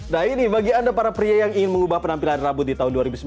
nah ini bagi anda para pria yang ingin mengubah penampilan rambut di tahun dua ribu sembilan belas